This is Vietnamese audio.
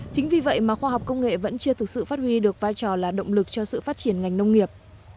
chính vì vậy mà khoa học công nghệ vẫn chưa thực sự phát huy được vai trò là động lực cho sự phát triển ngành nông nghiệp